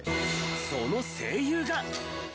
その声優が。